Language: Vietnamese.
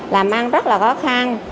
làm ăn rất là khó khăn